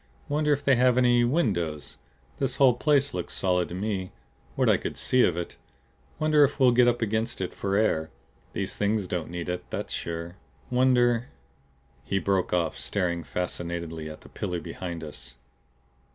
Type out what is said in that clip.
"Wonder if they have any windows? This whole place looked solid to me what I could see of it. Wonder if we'll get up against it for air? These Things don't need it, that's sure. Wonder " He broke off staring fascinatedly at the pillar behind us.